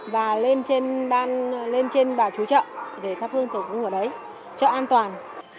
và lên trên bà chú chợ để thắp hương thở cúng ở đấy cho an toàn